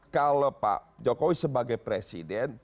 kalau pak jokowi sebagai presiden